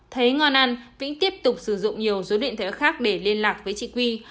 thấy ngon ăn vĩnh tiếp tục sử dụng nhiều số điện thoại khác để liên lạc với chị quy